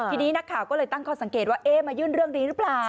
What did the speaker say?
ทีนี้นักข่าวก็เลยตั้งข้อสังเกตว่าเอ๊ะมายื่นเรื่องดีหรือเปล่า